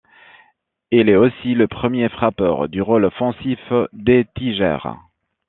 Il est aussi le premier frappeur du rôle offensif des Tigers.